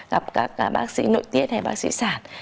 gặp các bác sĩ nội tiết hay bác sĩ sản